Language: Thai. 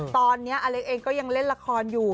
ตอนนี้อเล็กเองก็ยังเล่นละครอยู่